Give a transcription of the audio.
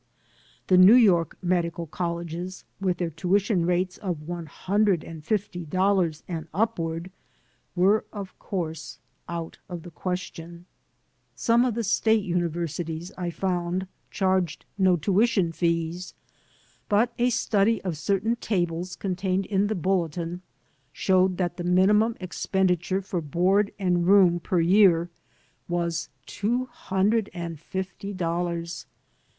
The New York medical colleges, with their tuition rates of one hundred and fifty dollars and up ward, were, of course, out of the question. Some of 194 OFF TO COLLEGE the State universities, I found, charged no tuition fees; but a study of certain tables contained in the bulletin showed that the minimum expenditure for board and room per year was two hundred and fifty dollars.